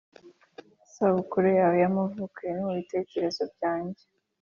isabukuru yawe y'amavuko yari mubitekerezo byanjye,